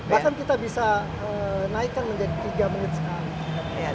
bahkan kita bisa naikkan menjadi tiga menit sekali